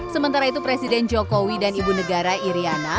sementara itu presiden jokowi dan ibu negara iryana